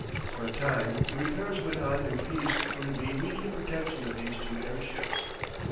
For a time the repairs went on in peace under the immediate protection of these two airships.